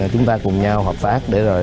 chúng ta cùng nhau hợp pháp để rồi